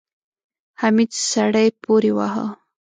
حميد سړی پورې واهه.